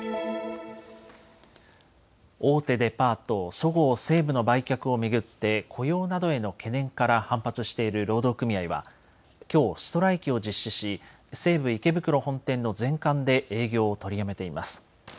大手デパート、そごう・西武の売却を巡って雇用などへの懸念から反発している労働組合はきょう、ストライキを実施し西武池袋本店の全館で営業を取りやめています。